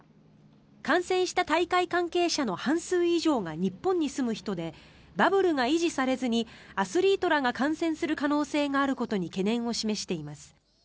感染した大会関係者の半数以上が日本に住む人でバブルが維持されずにアスリートらが感染する可能性があることに懸念を示しています。